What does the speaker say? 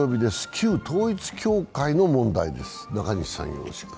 旧統一教会の問題です。